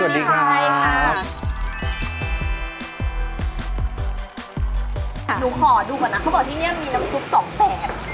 สวัสดีค่ะหนูขอดูก่อนนะเขาบอกที่นี่มีน้ำซุป๒แสน